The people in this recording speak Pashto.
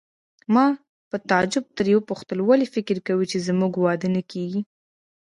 ما په تعجب ترې وپوښتل: ولې فکر کوې چې زموږ واده نه کیږي؟